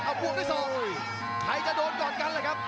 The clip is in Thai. เอาบวกด้วยศอกใครจะโดนก่อนกันแหละครับ